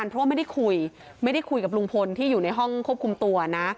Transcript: เพราะว่าไม่ได้คุยไม่ได้คุยกับลุงพลที่อยู่ในห้องควบคุมตัวนะ